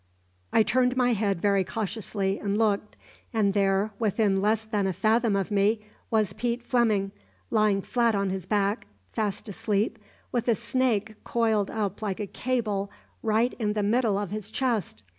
"I turned my head very cautiously and looked; and there, within less than a fathom of me, was Pete Fleming, lying flat on his back, fast asleep, with a snake coiled up like a cable right in the middle of his chest.